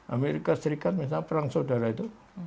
amerika serikat misalnya perang saudara itu